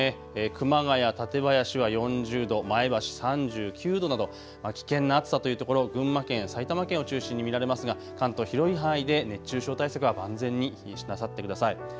熊谷、館林は４０度、前橋市３９度などと危険な暑さというところ群馬県、埼玉県を中心に見られますが関東広い範囲で熱中症対策は万全になさってください。